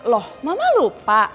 loh mama lupa